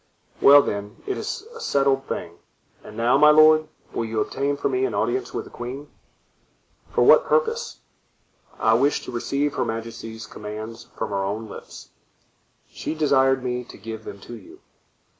"Well, then, it is a settled thing; and now, my lord, will you obtain for me an audience with the queen?" "For what purpose?" "I wish to receive her majesty's commands from her own lips." "She desired me to give them to you."